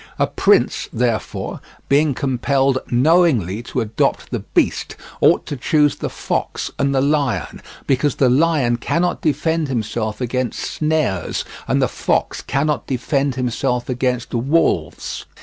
A prince, therefore, being compelled knowingly to adopt the beast, ought to choose the fox and the lion; because the lion cannot defend himself against snares and the fox cannot defend himself against wolves.